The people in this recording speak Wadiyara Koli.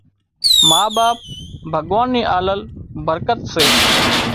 ما ٻاپ ڀڳوان ني آلل برڪت سي